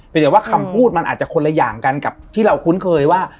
เป็นแต่ว่าคำพูดมันอาจจะคนละอย่างกันกับที่เราคุ้นเคยว่า